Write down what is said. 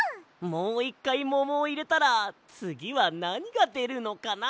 もういっかいももをいれたらつぎはなにがでるのかな？